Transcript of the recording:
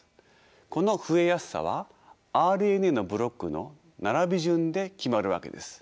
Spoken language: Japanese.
この増えやすさはＲＮＡのブロックの並び順で決まるわけです。